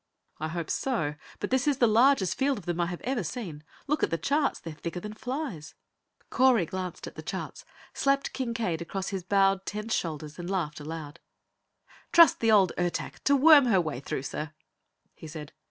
"I hope so, but this is the largest field of them I have ever seen. Look at the charts: they're thicker than flies." Correy glanced at the charts, slapped Kincaide across his bowed, tense shoulders, and laughed aloud. "Trust the old Ertak to worm her way through, sir," he said.